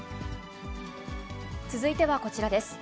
続いてはこちらです。